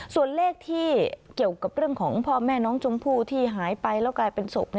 ส่วนเลขที่เกี่ยวกับเรื่องของพ่อแม่น้องชมพู่ที่หายไปแล้วกลายเป็นศพ